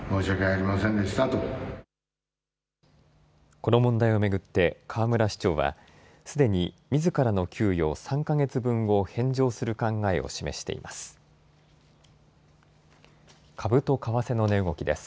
この問題を巡って、河村市長は、すでにみずからの給与３か月分を返上する考えを示しています。